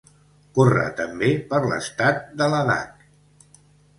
Corre també per l'estat de Ladakh.